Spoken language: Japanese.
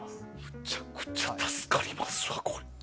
めちゃくちゃ助かりますわ。